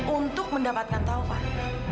untuk mendapatkan taufan